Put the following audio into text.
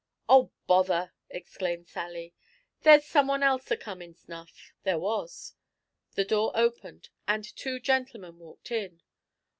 "Oh bother!" exclaimed Sally. "There's some one else a comin', s'nough." There was. The door opened, and two gentlemen walked in.